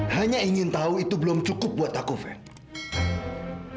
hanya ingin tahu itu belum cukup buat aku fan